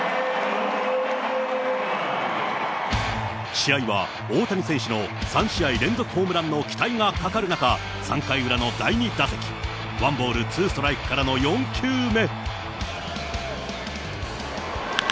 試合は大谷選手の３試合連続ホームランの期待がかかる中、３回裏の第２打席、ワンボール、ツーストライクからの４球目。